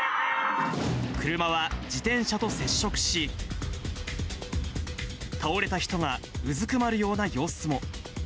車は自転車と接触し、倒れた人がうずくまるような様子も。